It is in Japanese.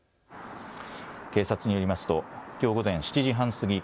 警察によりますときょう午前７時半過ぎ